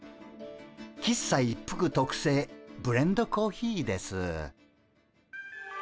喫茶一服とくせいブレンドコーヒーです。